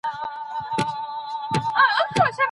هغه وويل چي زه درس لولم.